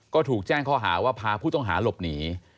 ก็ถูกแจ้งข้อหาว่าพาผู้ต้องหาหลบหนี